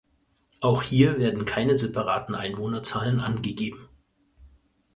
Auch hier werden keine separaten Einwohnerzahlen angegeben.